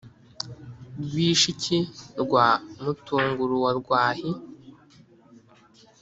Rwishiki rwa Matunguru wa rwahi